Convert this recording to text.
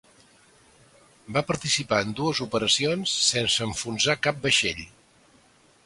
Va participar en dues operacions sense enfonsar cap vaixell.